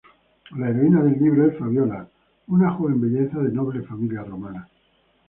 La heroína del libro es Fabiola, una joven belleza de noble familia romana.